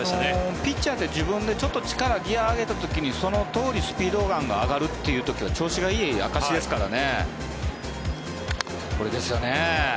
ピッチャーで自分でちょっと調子を上げる時にギアを上げた時にそのとおりにスピードガンが上がるという時は調子がいい証しですからね。